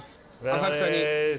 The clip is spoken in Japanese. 浅草に。